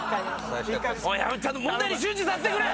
ちゃんと問題に集中させてくれ！